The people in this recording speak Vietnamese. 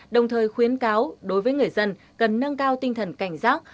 đồng thời khuyến cáo đối với người dân cần nâng cao tinh thần cảnh giác